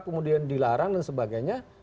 kemudian dilarang dan sebagainya